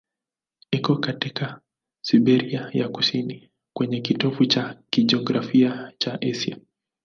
Iko katika Siberia ya kusini, kwenye kitovu cha kijiografia cha Asia.